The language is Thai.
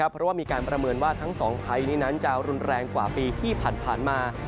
เพราะว่ามีการประเมินว่าทั้งสองภัยนี้นั้นจะรุนแรงกว่าปีที่ผ่านมา